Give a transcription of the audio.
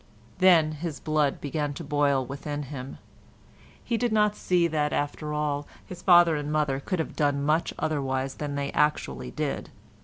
Then his blood began to boil within him. He did not see that after all his father and mother could have done much otherwise than they actually did.